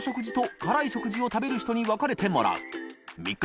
筿辛い食事を食べる人に分かれてもらう磽各